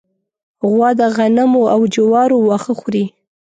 غوا د غنمو او جوارو واښه خوري.